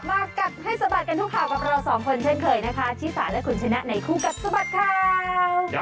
มาให้สวัสดีทุกคารกับเรา๒คนเช่นเคยนะคะ